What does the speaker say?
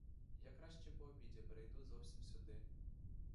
Я краще по обіді перейду зовсім сюди.